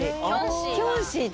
キョンシーが？